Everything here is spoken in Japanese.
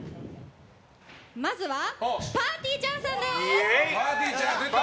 まずはぱーてぃーちゃんさんです。